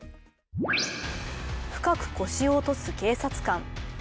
深く腰を落とす警察官。